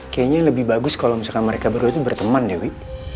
kayaknya lebih bagus kalau mereka baru berteman deh wi